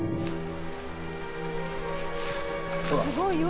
すごい夜。